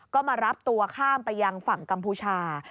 ก็มารับตัวข้ามไปยังฝั่งกัมพูชา